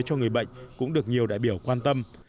cho người bệnh cũng được nhiều đại biểu quan tâm